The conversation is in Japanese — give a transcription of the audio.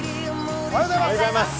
おはようございます。